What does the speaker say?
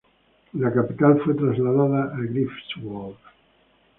La capital fue trasladada a Greifswald.